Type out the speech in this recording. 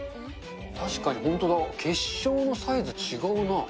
確かに本当だ、結晶のサイズ、違うな。